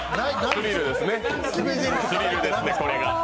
スリルですね、それが。